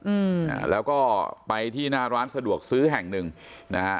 อืมอ่าแล้วก็ไปที่หน้าร้านสะดวกซื้อแห่งหนึ่งนะฮะ